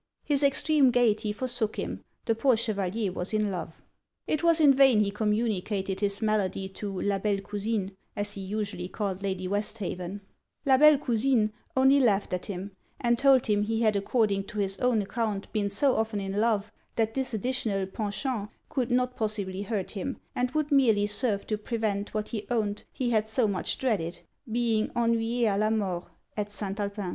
His extreme gaiety forsook him the poor Chevalier was in love. It was in vain he communicated his malady to la belle cousine, (as he usually called Lady Westhaven); la belle cousine only laughed at him, and told him he had according to his own account been so often in love, that this additional penchant could not possibly hurt him, and would merely serve to prevent what he owned he had so much dreaded, being 'ennuyé a la mort' at St. Alpin.